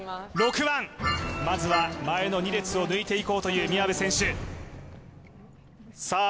まずは前の２列を抜いていこうという宮部選手さあ